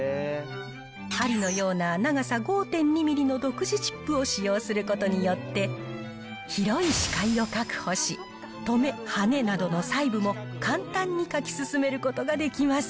針のような長さ５．２ミリの独自チップを使用することによって、広い視界を確保し、とめ、はねなどの細部も、簡単に書き進めることができます。